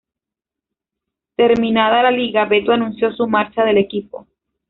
Terminada la liga, Beto anunció su marcha del equipo.